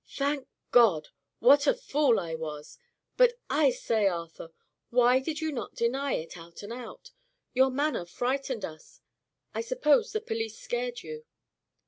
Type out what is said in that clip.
"Thank God! What a fool I was! But, I say, Arthur, why did you not deny it, out and out? Your manner frightened us. I suppose the police scared you?"